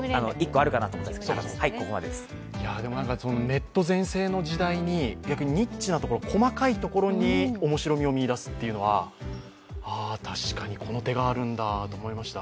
ネット全盛の時代に逆にニッチなところ、細かいところに面白みを見いだすというのは確かに、この手があるんだと思いました。